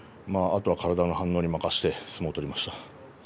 あとは体の反応に任せて相撲を取りました。